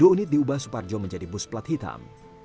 dua puluh unit diubah suparjo menjadi bus plat hitam